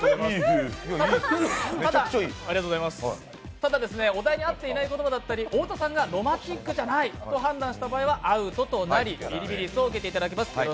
ただ、お題に合っていない言葉だったり、太田さんがロマンティックじゃないと判断した場合はアウトとなりビリビリ椅子を受けていただきます。